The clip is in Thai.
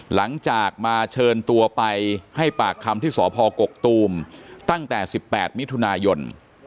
หลังจากมาเชิญตัวไปให้ปากคำที่สพกกตูมตั้งแต่๑๘มิถุนายน